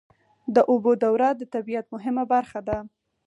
د اوبو دوره د طبیعت مهمه برخه ده.